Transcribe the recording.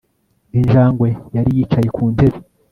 Injangwe yari yicaye ku ntebe